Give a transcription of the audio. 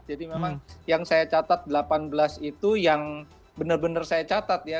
jadi memang yang saya catat delapan belas itu yang benar benar saya catat ya